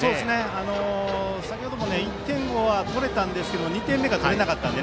先程も１点は取れたんですが２点目が取れなかったので。